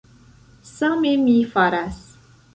Same mi faras.